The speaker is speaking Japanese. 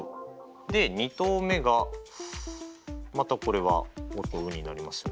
で２投目がまたこれはオとウになりますね。